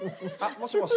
もしもし。